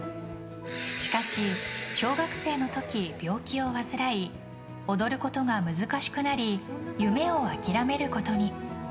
しかし小学生の時、病気を患い踊ることが難しくなり夢を諦めることに。